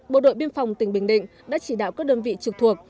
bộ đội biên phòng tỉnh bình định đã chỉ đạo các đơn vị trực thuộc